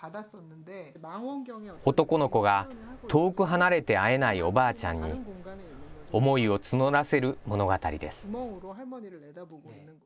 男の子が、遠く離れて会えないおばあちゃんに、思いを募らせる物語です。